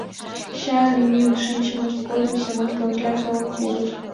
Чайым йӱын шинчымышт годым Семон Кавырля толын пурыш.